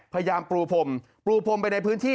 พยายามปลูพมปลูพมไปในพื้นที่